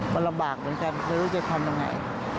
มันลำบากเหมือนกันไม่รู้จะทำยังไง